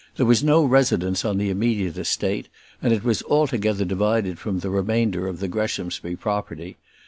There was no residence on the immediate estate, and it was altogether divided from the remainder of the Greshamsbury property.